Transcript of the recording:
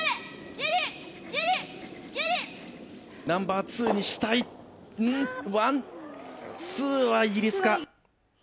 ナンバー２にしたいワン、ツーはイギリスか。